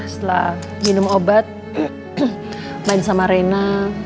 setelah minum obat main sama reina